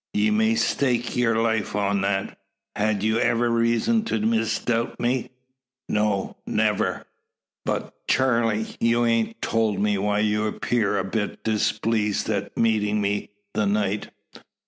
"Ye may stake yur life on that. Had you iver reezun to misdoubt me?" "No never." "But, Charley, ye hain't tolt me why ye appeared a bit displeezed at meetin' me the night.